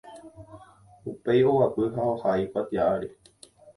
upéi oguapy ha ohai kuatiáre